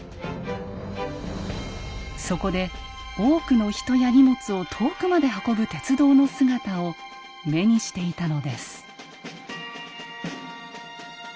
そこで多くの人や荷物を遠くまで運ぶ鉄道の姿を目にしていたのです。